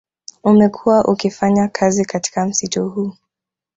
Umekuwa ukifanya kazi katika msitu huu